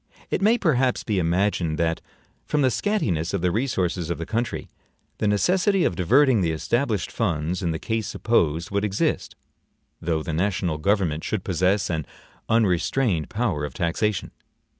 It may perhaps be imagined that, from the scantiness of the resources of the country, the necessity of diverting the established funds in the case supposed would exist, though the national government should possess an unrestrained power of taxation.